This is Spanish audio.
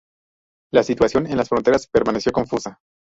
La situación en las fronteras permaneció confusa.